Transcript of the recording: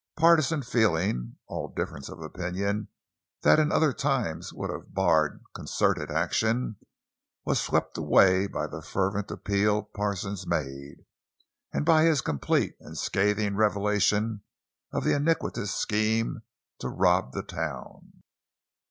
Partisan feeling—all differences of opinion that in other times would have barred concerted action—was swept away by the fervent appeal Parsons made, and by his complete and scathing revelation of the iniquitous scheme to rob the town.